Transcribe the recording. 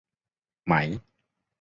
ไหม